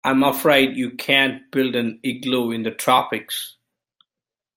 I'm afraid you can't build an igloo in the tropics.